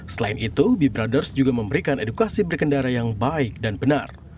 selain itu bee brothers juga memberikan edukasi berkendara yang baik dan benar